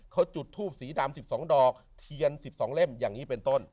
เขาจุดทูบสีดำสิบสองดอกเทียนสิบสองเล่มอย่างงี้เป็นต้น